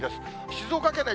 静岡県内